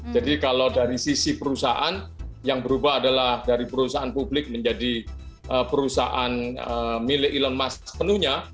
jadi kalau dari sisi perusahaan yang berubah adalah dari perusahaan publik menjadi perusahaan milik elon musk penuhnya